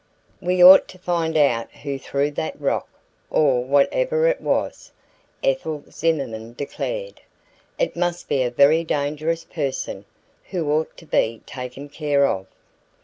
"We ought to find out who threw that rock, or whatever it was," Ethel Zimerman declared. "It must be a very dangerous person, who ought to be taken care of."